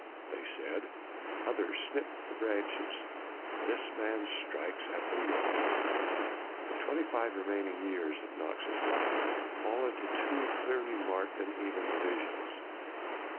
1 They said, " Others snipped the branches; this man strikes at the root. r The twenty five remaining years of Knox's life fall into two clearly marked and even divisions.